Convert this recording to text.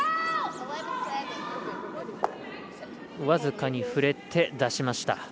僅かに触れて、出しました。